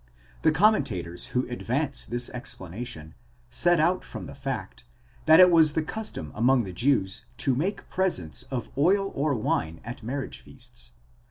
The commentators who advance this explanation set out from the fact, that it was the custom among the Jews to make presents of oil or wine at marriage feasts.